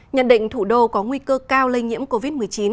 nhận định thủ đô có nguy cơ cao lây nhiễm covid một mươi chín